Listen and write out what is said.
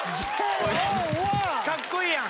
かっこいいやん！